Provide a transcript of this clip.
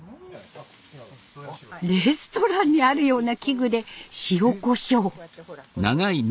レストランにあるような器具で塩コショウ。